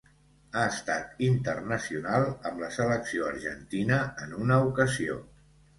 Ha estat internacional amb la selecció argentina en una ocasió.